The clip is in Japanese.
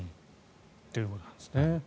ということなんですね。